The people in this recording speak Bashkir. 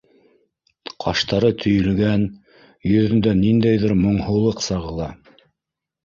Ҡаштары төйөлгән, йөҙөндә ниндәйҙер моңһоулыҡ сағыла.